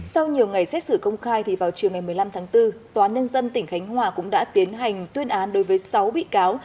sau nhiều ngày xét xử công khai vào chiều ngày một mươi năm tháng bốn tòa nhân dân tỉnh khánh hòa cũng đã tiến hành tuyên án đối với sáu bị cáo